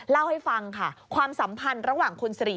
เล่าให้ฟังค่ะความสัมพันธ์ระหว่างคุณสิริ